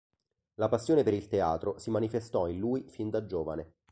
La passione per il Teatro si manifestò in lui fin da giovane.